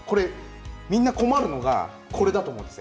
みんな困るのがこれだと思います。